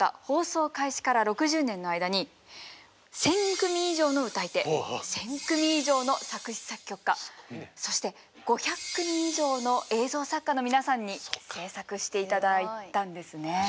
放送開始から６０年の間に１０００組以上の歌い手１０００組以上の作詞・作曲家そして５００組以上の映像作家の皆さんに制作して頂いたんですね。